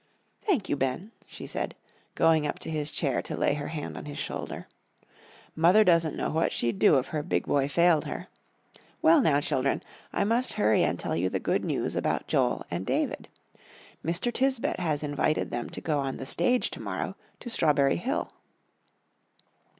"Thank you, Ben," she said, going up to his chair to lay her hand on his shoulder. "Mother doesn't know what she'd do if her big boy failed her. Well now, children, I must hurry and tell you the good news about Joel and David. Mr. Tisbett has invited them to go on the stage to morrow to Strawberry Hill."